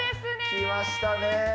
きましたね。